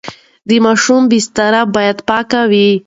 د ماشوم بستر باید پاک وي.